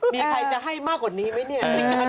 มีใครจะให้มากกว่านี้ไหมเนี่ย